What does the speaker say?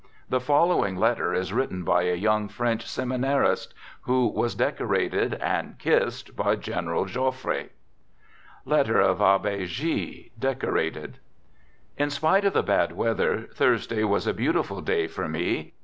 The follow ing letter is written by a young French seminarist who was decorated (and kissed) by General Joffre: (Letter of Abbe G > Decorated) In spite of the bad weather, Thursday was a beau tiful day for me.